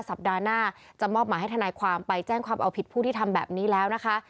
สัปดาห์หน้าจะมอบหมายให้ทนายความไปแจ้งความเอาผิดผู้ที่ทำแบบนี้แล้วนะคะ